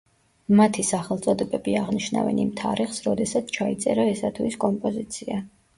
მათი სახელწოდებები აღნიშნავენ იმ თარიღს, როდესაც ჩაიწერა ესა თუ ის კომპოზიცია.